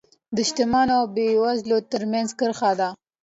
د شتمنو او بېوزلو ترمنځ کرښه ده.